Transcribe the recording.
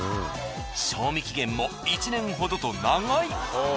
賞味期限も１年ほどと長い。